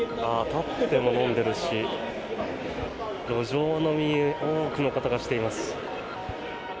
立ってても飲んでるし路上飲み多くの方がしています。